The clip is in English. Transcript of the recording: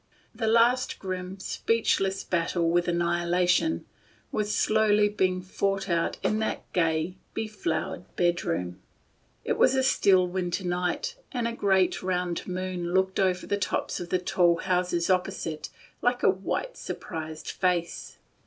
A grim, speechless battle with annihilation was slowly being fought THE GATE OF SILENCE. 277 out in that gay, beflowered bedroom, in there. It was a still winter night, and a great round moon looked over the tops of the tall houses opposite like a white, surprised face.